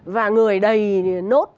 và người đầy nốt